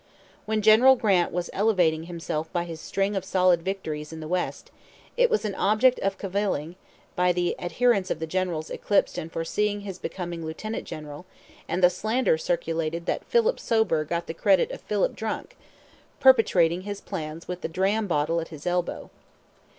When General Grant was elevating himself by his string of solid victories in the West, it was object of caviling, by the adherents of the generals eclipsed and foreseeing his becoming lieutenant general, and the slander circulated that "Philip sober" got the credit of "Philip drunk," perpetrating his plans with the dram bottle at his elbow.